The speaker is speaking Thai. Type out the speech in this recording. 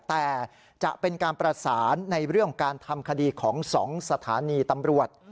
แต่จะเป็นการประสานในเรื่องของการทำคดีของ๒สถานีตำรวจ